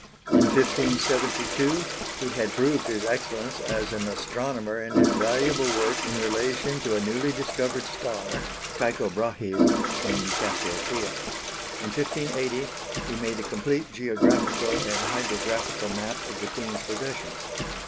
In 1572 he had proved his excellence as an astronomer in his valuable work in relation to a newly discovered star (Tycho Brahe's) in Cassiopœia. In 1580 he made a complete geographical and hydrographical map of the Queen's possessions.